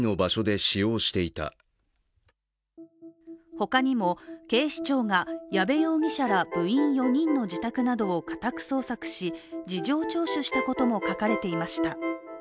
他にも、警視庁が矢部容疑者ら部員４人の自宅などを家宅捜索し事情聴取したことも書かれていました。